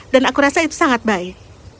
dan aku rasa itu sangat baik